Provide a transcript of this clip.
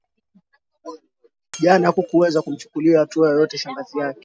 Jane hakuweza kumchukulia hatua yoyote shangazi yake